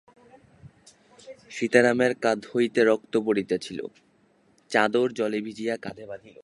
সীতারামের কাঁধ হইতে রক্ত পড়িতেছিল, চাদর জলে ভিজাইয়া কাঁদে বাঁধিল।